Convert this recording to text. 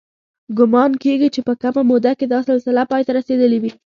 ګومان کېږي چې په کمه موده کې دا سلسله پای ته رسېدلې وي.